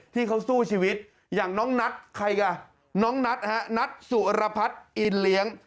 ที่เขาสู้ชีวิตอย่างน้องนัทใครอ่ะน้องนัทฮะนัทสุรพัฒน์อินเลี้ยง